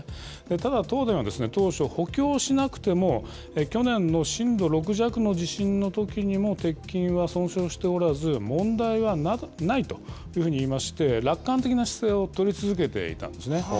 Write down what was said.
ただ、東電は当初、補強しなくても、去年の震度６弱の地震のときにも鉄筋は損傷しておらず、問題はないというふうに言いまして、楽観的な姿勢を取り続けていたんですね。